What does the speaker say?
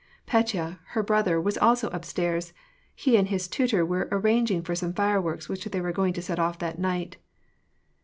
Petya, her brother, was also upstairs ; he and his tutor were arranging for some fireworks which they were going to set off that night.